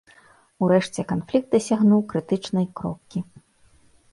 Урэшце канфлікт дасягнуў крытычнай кропкі.